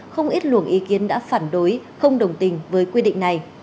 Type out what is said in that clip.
không ít luồng ý kiến đã phản đối không đồng tình với quy định này